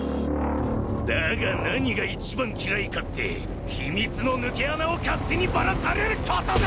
だが何が一番嫌いかって秘密の抜け穴を勝手にバラされることだ！